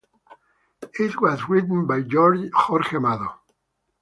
It was written by Jorge Amado.